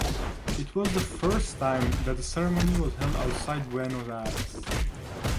It was the first time that the ceremony was held outside Buenos Aires.